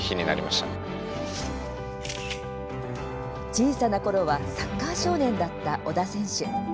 小さなころはサッカー少年だった小田選手。